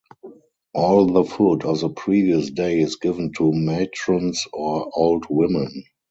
All the food of the previous day is given to matrons or old women.